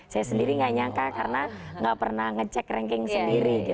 saya sendiri nggak nyangka karena nggak pernah ngecek ranking sendiri